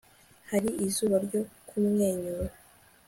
hari izuba ryo kumwenyura